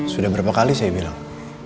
sudah berapa kali saya bilang